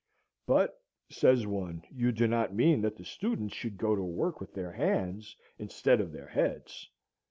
"But," says one, "you do not mean that the students should go to work with their hands instead of their heads?"